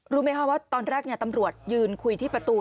รู้ไหมคะว่าตอนแรกตำรวจยืนคุยที่ประตู